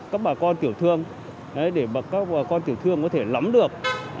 các bà con tiểu thương để các bà con tiểu thương có thể lắm được